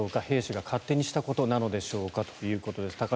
兵士が勝手にしたことなのでしょうかということです。